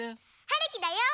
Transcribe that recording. はるきだよ。